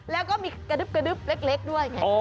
แล้วก็มีกระดึ๊บกระดึ๊บเล็กด้วยไง